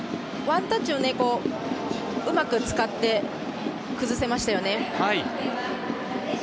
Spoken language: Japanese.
ワンタッチをうまく使って、崩せましたよね。